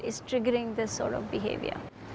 itu menyebabkan perangkat seperti ini